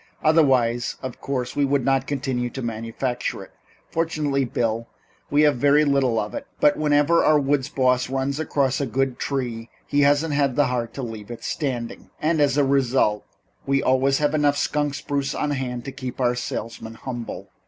Otherwise, of course, we would not continue to manufacture it. Fortunately, Bill, we have very little of it, but whenever our woods boss runs across a good tree he hasn't the heart to leave it standing, and as a result, we always have enough skunk spruce on hand to keep our salesmen humble."